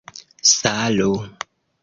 salo